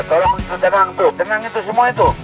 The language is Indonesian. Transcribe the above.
tolong tenang tuh tenang itu semua itu